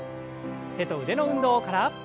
手と腕の運動から。